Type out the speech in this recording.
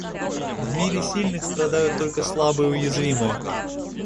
В мире сильных страдают только слабые и уязвимые.